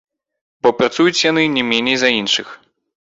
Бо, працуюць яны не меней за іншых.